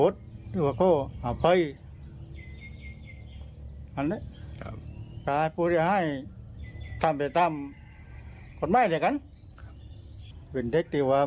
สำวัสดีพ่อ